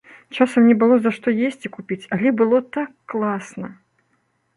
Часам не было, за што есці купіць, але было так класна!